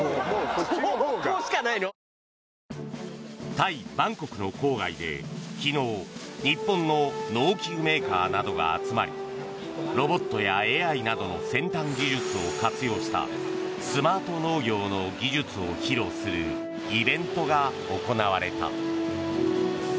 タイ・バンコクの郊外で昨日日本の農機具メーカーなどが集まりロボットやＡＩなどの先端技術を活用したスマート農業の技術を披露するイベントが行われた。